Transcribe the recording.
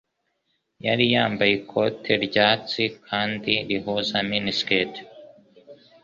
Yari yambaye ikote ryatsi kandi rihuza mini-skirt.